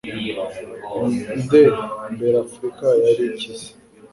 Nde mbere Afurika yari ikize